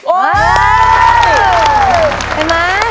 โอ้โฮ